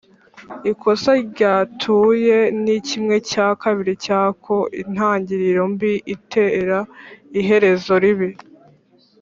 ikosa ryatuye ni kimwe cya kabiri cyakointangiriro mbi itera iherezo ribi.